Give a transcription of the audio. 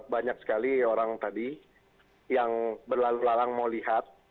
banyak sekali orang tadi yang berlalu lalang mau lihat